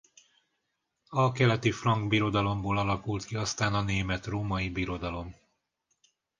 A Keleti Frank Birodalomból alakult ki aztán a Német-római Birodalom.